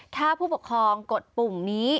ถ้าผู้ปกครองกดปุ่มนี้